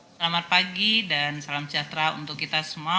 selamat pagi dan salam sejahtera untuk kita semua